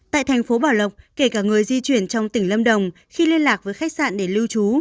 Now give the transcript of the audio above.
tại thành phố bảo lộc kể cả người di chuyển trong tỉnh lâm đồng khi liên lạc với khách sạn để lưu trú